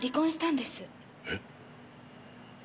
えっ？